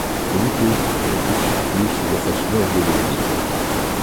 Les huit autres sont tous situés sur la face nord de l'église.